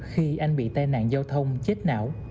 khi anh bị tai nạn giao thông chết não